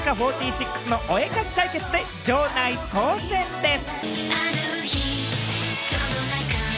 芸術の秋、乃木坂４６のお絵描き対決で場内騒然です。